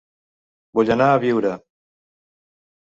Vull anar a Biure